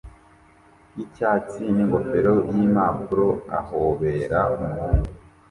yicyatsi ningofero yimpapuro ahobera umuhungu